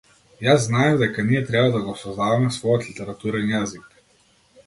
Јас знаев дека ние треба да го создаваме својот литературен јазик.